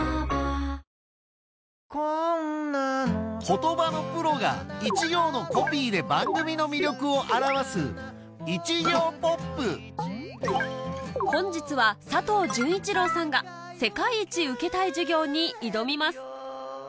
言葉のプロが一行のコピーで番組の魅力を表す本日は佐藤潤一郎さんが『世界一受けたい授業』に挑みます